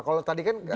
kalau tadi kan